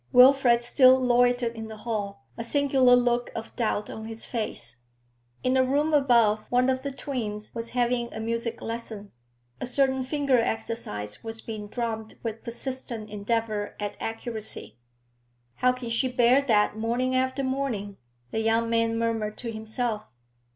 Wilfrid still loitered in the hall, a singular look of doubt on his face. In a room above one of the twins was having a music lesson; a certain finger exercise was being drummed with persistent endeavour at accuracy. 'How can she bear that morning after morning?' the young man murmured to himself.